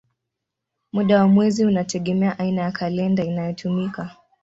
Muda wa mwezi unategemea aina ya kalenda inayotumika.